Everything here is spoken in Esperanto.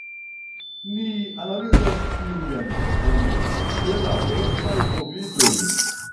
Ni analizas tiujn profunde ĉe la bestaj moviĝoj.